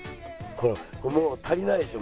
もう足りないでしょ？